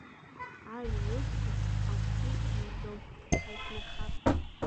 Ажәа еиӷьу акгьы ииӡом, Ҳаиқәнархап…